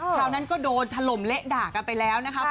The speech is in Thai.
ราวนั้นก็โดนถล่มเละด่ากันไปแล้วนะคะ